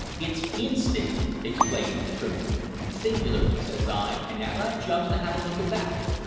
It's instinct," explained Shrimplin. "'Singular,' says I, and out I jumps to have a look about.